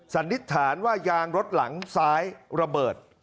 สันนิษฐานว่ายางรถหลังซ้ายระเบิด